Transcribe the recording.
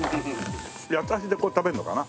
八ッ橋でこう食べるのかな。